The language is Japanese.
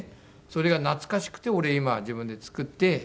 それが懐かしくて俺今自分で作って。